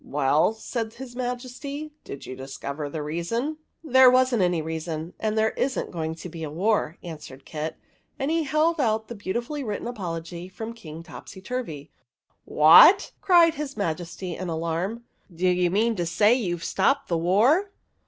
"Well," said his Majesty, "did you dis cover the reason ?"" There was n't a reason, and there is n't going to be a war," answered Kit ; and he held out the beautifully written apology from King Topsyturvy. "What!" cried his Majesty, in alarm. " Do you mean to say you 've stopped the war